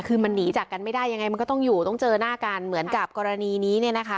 คือมันหนีจากกันไม่ได้ยังไงมันก็ต้องอยู่ต้องเจอหน้ากันเหมือนกับกรณีนี้เนี่ยนะคะ